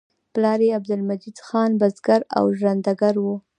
پلار یې عبدالحمید خان بزګر او ژرندګړی و